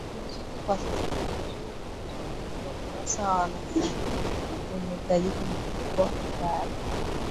kipimo chake kwa sasa kimezua gumzo katika ukurasa wa wasanii wenye utajiri mkubwa baada